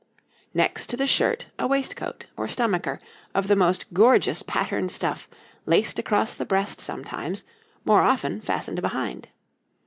[Illustration: COATS HATS] Next to the shirt a waistcoat, or stomacher, of the most gorgeous patterned stuff, laced across the breast sometimes, more often fastened behind.